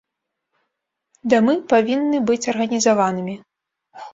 Дамы павінны быць арганізаванымі.